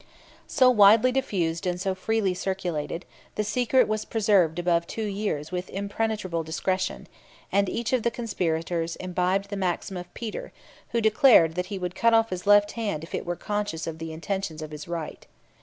So widely diffused and so freely circulated, the secret was preserved above two years with impenetrable discretion; and each of the conspirators imbibed the maxim of Peter, who declared that he would cut off his left hand if it were conscious of the intentions of his right.